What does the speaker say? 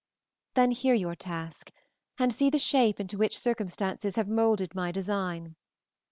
"Then hear your task and see the shape into which circumstances have molded my design.